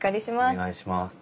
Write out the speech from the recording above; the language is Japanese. お願いします。